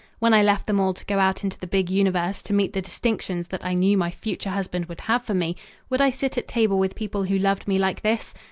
When I left them all to go out into the big universe to meet the distinctions that I knew my future husband would have for me, would I sit at table with people who loved me like this?